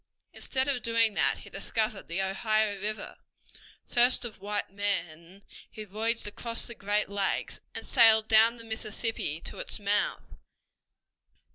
Instead of doing that he discovered the Ohio River, first of white men he voyaged across the Great Lakes and sailed down the Mississippi to its mouth.